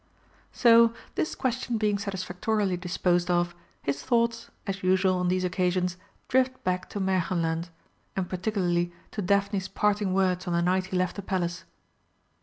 So, this question being satisfactorily disposed of, his thoughts, as usual on these occasions, drift back to Märchenland, and particularly to Daphne's parting words on the night he left the Palace.